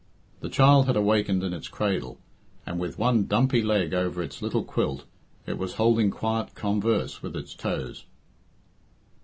The child had awakened in its cradle, and, with one dumpy leg over its little quilt, it was holding quiet converse with its toes.